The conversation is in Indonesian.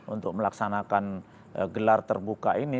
untuk melaksanakan gelar terbuka ini